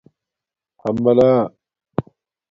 حملہ